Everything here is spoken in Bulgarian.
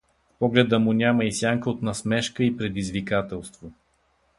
В погледа му няма и сянка от насмешка и предизвикателство.